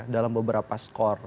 dalam beberapa skor